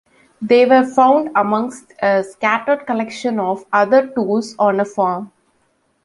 They were found amongst a scattered collection of other tools on a farm.